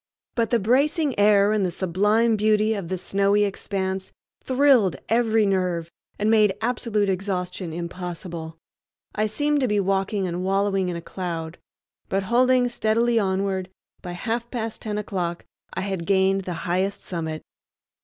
But the bracing air and the sublime beauty of the snowy expanse thrilled every nerve and made absolute exhaustion impossible. I seemed to be walking and wallowing in a cloud; but, holding steadily onward, by half past ten o'clock I had gained the highest summit.